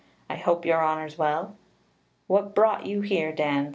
'I hope your honour's well.' 'What brought you here, Dan?'